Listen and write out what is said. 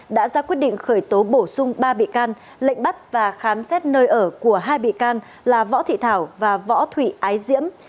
đã ra quyết định khởi tố bổ sung ba bị can lệnh bắt và khám xét nơi ở của hai bị can là võ thị thảo và võ thụy ái diễm